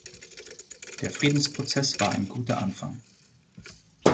Der Friedensprozess war ein guter Anfang.